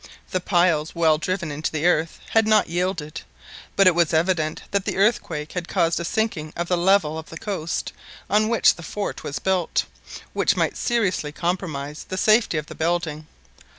The piles, well driven into the earth, had not yielded; but it was evident that the earthquake had caused a sinking of the level of the coast on which the fort was built, which might seriously compromise the safety of the building.